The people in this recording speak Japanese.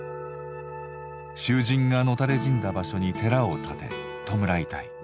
囚人が野垂れ死んだ場所に寺を建て弔いたい。